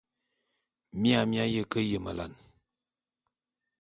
Mia mi aye ke yemelane.